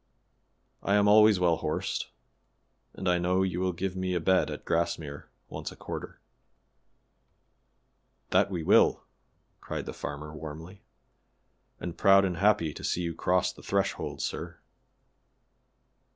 I am always well horsed, and I know you will give me a bed at Grassmere once a quarter." "That we will," cried the farmer, warmly, "and proud and happy to see you cross the threshold, sir."